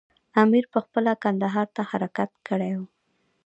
امیر پخپله کندهار ته حرکت کړی وو.